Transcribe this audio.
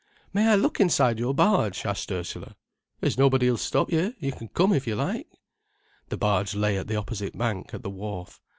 "May I look inside your barge?" asked Ursula. "There's nobody'll stop you; you come if you like." The barge lay at the opposite bank, at the wharf.